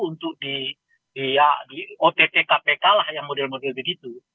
untuk di ott kpk lah yang model model begitu